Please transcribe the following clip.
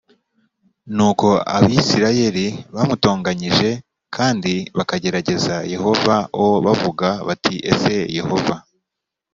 n uko abisirayeli bamutonganyije kandi bakagerageza yehova o bavuga bati ese yehova